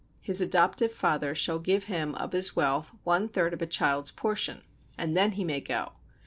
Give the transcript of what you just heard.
His adoptive father shall give him of his wealth one third of a child's portion, and then he may go.